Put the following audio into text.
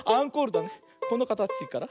このかたちから。